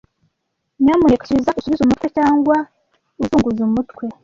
Nyamuneka subiza usubize umutwe cyangwa uzunguza umutwe.